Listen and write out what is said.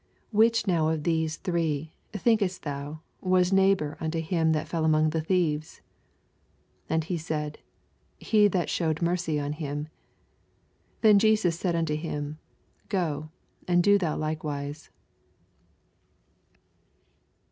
86 which now of these three, think est thou, was neighbor unto him that fell among the thieves ? 87 And he said. He that shewed mercy on him. Then said Jesus unto him, Qo, and do thou likewise.